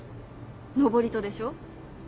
登戸でしょ？